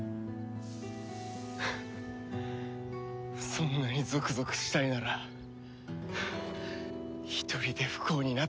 そんなにゾクゾクしたいなら一人で不幸になってろ。